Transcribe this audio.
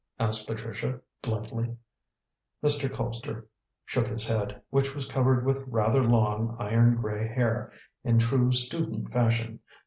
asked Patricia bluntly. Mr. Colpster shook his head, which was covered with rather long, iron grey hair, in true student fashion.